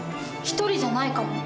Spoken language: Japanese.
１人じゃないかも。